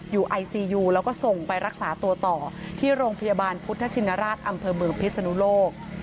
ไอซียูแล้วก็ส่งไปรักษาตัวต่อที่โรงพยาบาลพุทธชินราชอำเภอเมืองพิศนุโลก